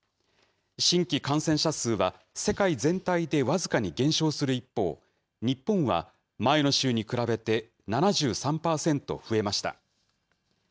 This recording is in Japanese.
新規感染者数は、世界全体で僅かに減少する一方、日本は前の週に比べて７３％増えました。